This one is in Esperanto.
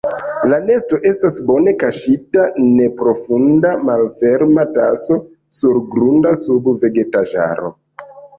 La nesto estas bone kaŝita neprofunda malferma taso surgrunda sub vegetaĵaro.